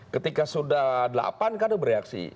ketika sudah delapan kader bereaksi